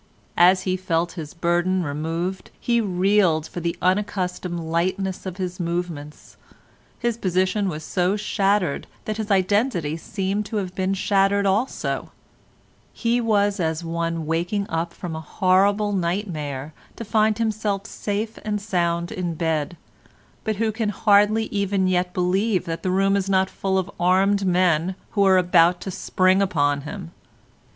As he felt his burden removed, he reeled for the unaccustomed lightness of his movements; his position was so shattered that his identity seemed to have been shattered also; he was as one waking up from a horrible nightmare to find himself safe and sound in bed, but who can hardly even yet believe that the room is not full of armed men who are about to spring upon him.